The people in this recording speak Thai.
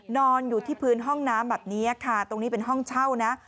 นอนอยู่ที่พื้นห้องน้ำแบบนี้ค่ะตรงนี้เป็นห้องเช่านะ